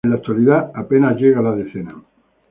En la actualidad, a penas llega a la decena.